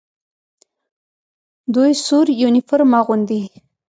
دوی سور یونیفورم اغوندي.